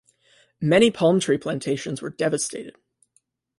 Many palm tree plantations were devastated.